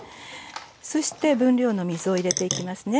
そして分量の水を入れていきますね。